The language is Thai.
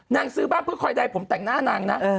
ซื้อบ้านเพื่อคอยใดผมแต่งหน้านางนะ